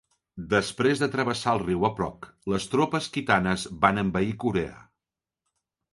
Després de travessar el riu Aprok, les tropes khitanes van envair Corea.